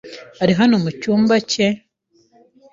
Ari hano mu cyumba cye?